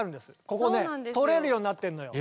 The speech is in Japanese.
ここね取れるようになってんのよ。